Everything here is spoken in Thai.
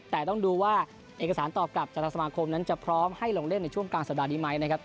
แต่ต้องดูว่าเอกสารตอบกลับจากทางสมาคมนั้นจะพร้อมให้ลงเล่นในช่วงกลางสัปดาห์นี้ไหมนะครับ